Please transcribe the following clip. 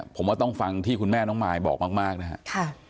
ผมว่าต้องฟังที่คุณแม่น้องมายบอกมากนะครับ